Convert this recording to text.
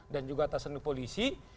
dan juga atasannya polisi